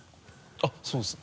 あっそうですね。